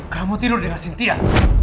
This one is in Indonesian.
kamu tidur bersama cynthia